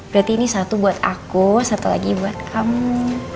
berarti ini satu buat aku satu lagi buat kamu